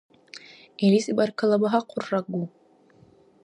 Илис баркалла багьахъуррагу.